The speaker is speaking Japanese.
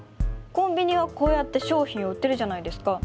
コンビニはこうやって商品を売ってるじゃないですか。